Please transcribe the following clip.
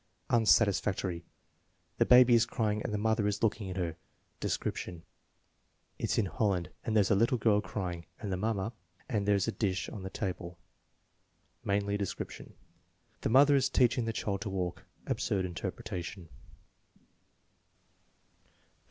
Unsatisfactory. "The baby is crying and the mother is looking at her " (description). "It's in Holland, and there's a little girl crying, and a mamma, and there's a dish on the table" (mainly description). "The mother is teaching the child to walk" (absurd interpretation).